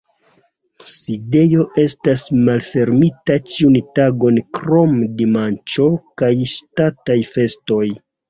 Sidejo estas malfermita ĉiun tagon krom dimanĉo kaj ŝtataj festoj.